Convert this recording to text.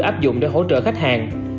áp dụng để hỗ trợ khách hàng